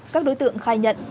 các đối tượng khai nhận